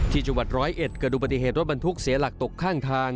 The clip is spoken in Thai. ที่จังหวัดร้อยเอ็ดเกิดอุบัติเหตุรถบรรทุกเสียหลักตกข้างทาง